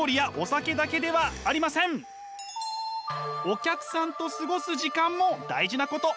お客さんと過ごす時間も大事なこと。